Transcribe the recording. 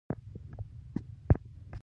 رسمي جریده قوانین خپروي